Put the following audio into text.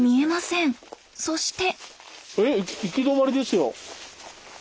そして。